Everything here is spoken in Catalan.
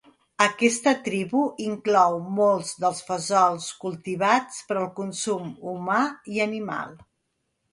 Aquesta tribu inclou molts dels fesols cultivats per al consum humà i animal.